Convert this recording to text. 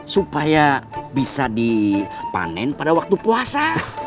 supaya bisa dipanen pada waktu puasa